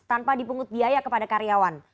tanpa dipungut biaya kepada karyawan